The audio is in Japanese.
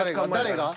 誰が？